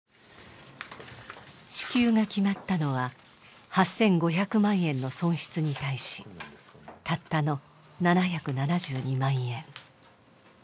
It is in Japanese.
支給が決まったのは８５００万円の損失に対したったの７７２万円。